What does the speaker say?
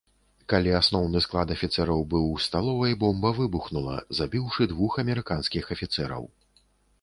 Калі асноўны склад афіцэраў быў у сталовай, бомба выбухнула, забіўшы двух амерыканскіх афіцэраў.